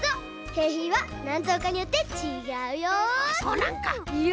けいひんはなんとうかによってちがうよ。